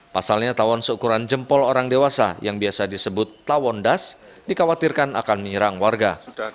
pasalnya tawon seukuran jempol orang dewasa yang biasa disebut tawon das dikhawatirkan akan menyerang warga